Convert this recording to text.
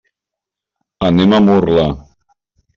Anem a Murla.